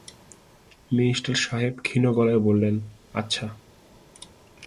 Minister সাহেব ক্ষীণ গলায় বললেন, আচ্ছা!